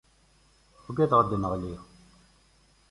Uggadeɣ ad nɣelli.